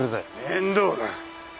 面倒だ。